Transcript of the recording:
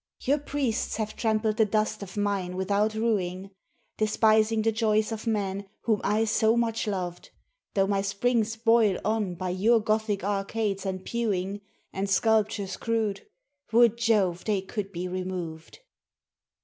"Your priests have trampled the dust of mine without rueing, Despising the joys of man whom I so much loved, Though my springs boil on by your Gothic arcades and pewing, And sculptures crude ... Would Jove they could be removed!"